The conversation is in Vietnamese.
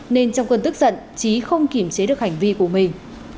nên trong cơn tức giận trí không kiểm chế được hành vi của mình